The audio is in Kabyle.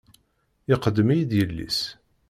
Iqeddem-iyi-d yelli-s.